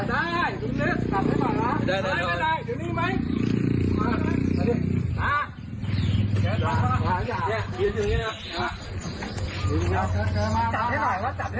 ได้ตัดให้หน่อยนะ